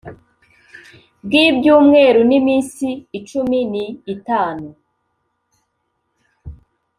bwibyumweru niminsi icumi ni itanu